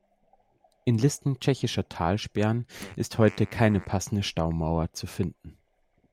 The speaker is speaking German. In Listen tschechischer Talsperren ist heute keine passende Staumauer zu finden.